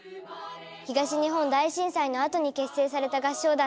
東日本大震災のあとに結成された合唱団です。